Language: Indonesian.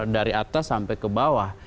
dari atas sampai ke bawah